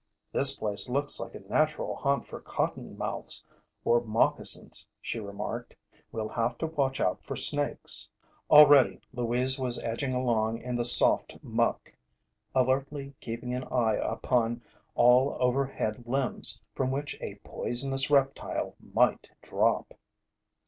"This place looks like a natural haunt for cottonmouths or moccasins," she remarked. "We'll have to watch out for snakes." Already Louise was edging along in the soft muck, alertly keeping an eye upon all overhead limbs from which a poisonous reptile might drop.